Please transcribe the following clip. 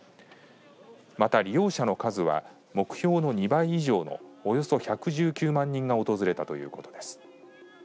また利用者の数は目標の２倍以上のおよそ１１９万人が訪れたということです。